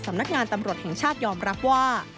สำนักงานตำรวจแห่งชาติยอมรับว่า